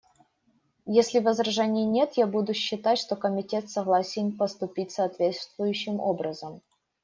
Если возражений нет, я буду считать, что Комитет согласен поступить соответствующим образом.